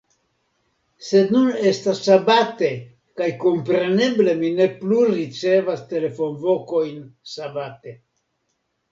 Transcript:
Sed nun estas Sabate, kaj kompreneble mi ne plu ricevas telefonvokojn Sabate.